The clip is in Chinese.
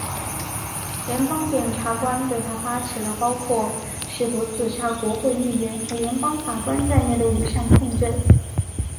联邦检察官对他发起了包括试图刺杀国会议员和联邦法官在内的五项控罪。